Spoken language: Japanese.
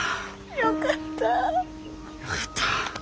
よかった。